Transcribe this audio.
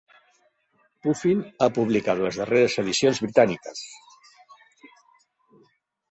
Puffin ha publicat les darreres edicions britàniques.